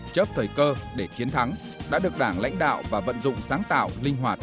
chấp thời cơ để chiến thắng đã được đảng lãnh đạo và vận dụng sáng tạo linh hoạt